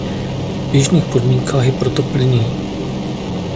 V běžných podmínkách je proto plynný.